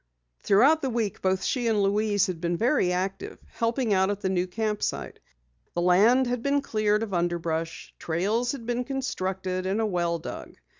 Throughout the week both she and Louise had been very active, helping out at the new camp site. The land had been cleared of underbrush, trails had been constructed, and a well dug.